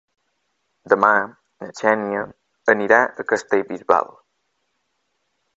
Demà na Xènia anirà a Castellbisbal.